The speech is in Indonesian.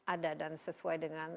ada dan sesuai dengan